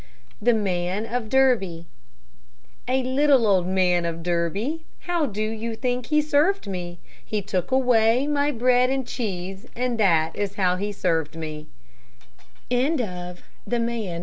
THE MAN OF DERBY A little old man of Derby, How do you think he served me? He took away my bread and cheese, And that is how he served me.